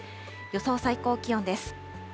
予想最高気温です。